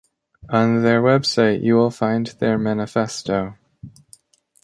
On their website you will find their manifesto.